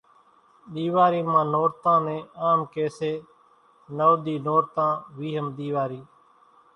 ۮيواري مان نورتان نين آم ڪي سي نوَ ۮي نورتان ويھم ۮيواري